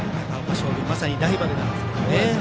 商業まさにライバルなんですけどね。